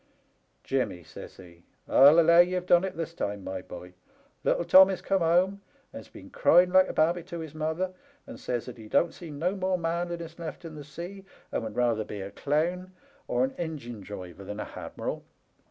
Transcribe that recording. Jimmy,' says he, ' I allow ye*ve done it this time, my boy. Little Tommy's come home and's been a crying like a babby to his mother, and says that he don't see no more manliness left in the sea, and would rather be a clown or an engine driver than a hadmiral.'